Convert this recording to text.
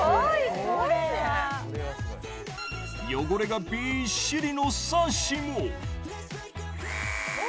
汚れがびっしりのサッシもお！